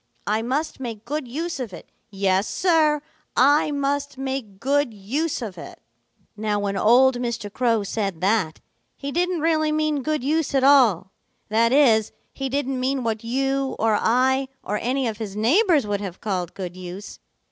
I must make good use of it. Yes, Sir, I must make good use of it.' "Now when old Mr. Crow said that, he didn't really mean good use at all. That is, he didn't mean what you or I or any of his neighbors would have called good use.